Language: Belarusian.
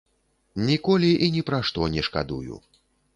Ніколі і ні пра што не шкадую.